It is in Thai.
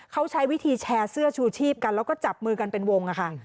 เขาใช้วิธีแชร์เสื้อชูชีพกันแล้วก็จับมือกันเป็นวงค่ะ